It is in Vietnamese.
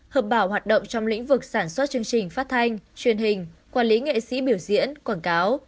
hợp bảo hoạt động trong lĩnh vực sản xuất chương trình phát thanh truyền hình quản lý nghệ sĩ biểu diễn quảng cáo